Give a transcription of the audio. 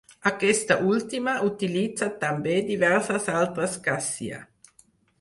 Aquesta última utilitza també diverses altres Cassia.